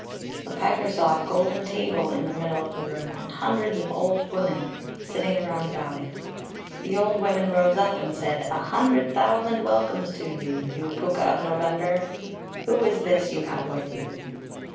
The piper saw a golden table in the middle of the room, and hundreds of old women (cailleacha) sitting round about it. The old women rose up, and said, "A hundred thousand welcomes to you, you Púca of November (na Samhna). Who is this you have with you?"